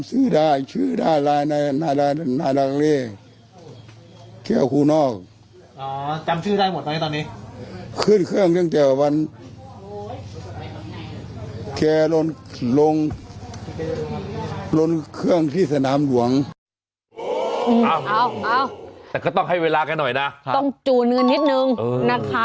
ก็ต้องให้เวลากันหน่อยนะต้องจูนกันนิดนึงนะคะ